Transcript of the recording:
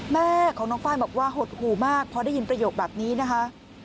แม่ของน้องไฟล์บอกว่าหดหูมากพอได้ยินประโยคแบบนี้นะคะ